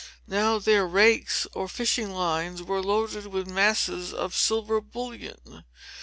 Now their rakes or fishing lines were loaded with masses of silver bullion.